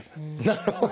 なるほど！